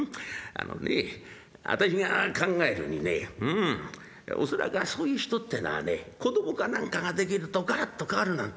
あのねえ私が考えるにねえうん恐らくはそういう人ってのはねえ子供か何かができるとガラッと変わるなんてことがある。